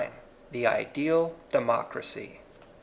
THE IDEAL DEMOCBAGY.